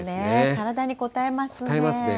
体にこたえますね。